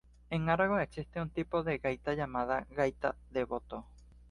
En Aragón existe un tipo de gaita llamada gaita de boto.